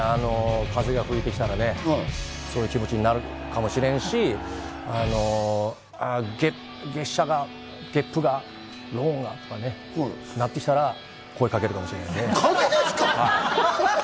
風が吹いてきたらそういう気持ちになるかもしれんし、月謝が、月賦が、ローンがとなってきたら、声かけるかもしれない。